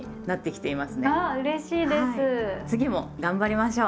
次も頑張りましょう！